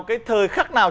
cái thời khắc nào đó